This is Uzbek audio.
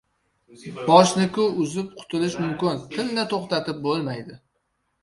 • Boshni-ku uzib qutulish mumkin, tilni to‘xtatib bo‘lmaydi.